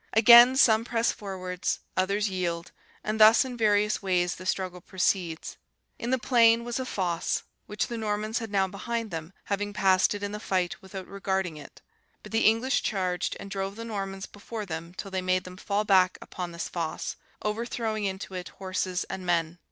Again, some press forwards, others yield; and thus in various ways the struggle proceeds. In the plain was a fosse, which the Normans had now behind them, having passed it in the fight without regarding it. But the English charged, and drove the Normans before them till they made them fall back upon this fosse, overthrowing into it horses and men.